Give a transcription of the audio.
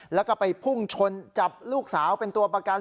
แล้วก็ไปพุ่งชนจับลูกสาวเป็นตัวประกัน